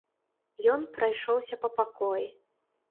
Ён прайшоўся па пакоі.